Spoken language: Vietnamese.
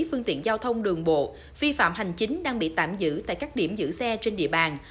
phương tiện giao thông đường bộ vi phạm hành chính đang bị tạm giữ tại các điểm giữ xe trên địa bàn